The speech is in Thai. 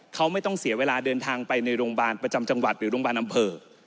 เขาไม่ต้องเสียเวลาเดินทางไปในโรงพยาบาลประจำจังหวัดหรือโรงพยาบาลอำเภอ